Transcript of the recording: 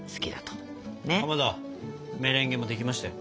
かまどメレンゲもできましたよ！